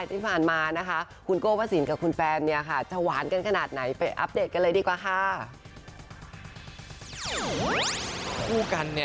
อย่างนี้ก็คือเป็นแฟนกันแล้วเนาะเราไม่ได้ใช้สถานะไหนแล้วก็เป็นการให้กำลังใช้กันไป